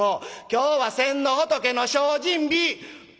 今日は先の仏の精進日！」。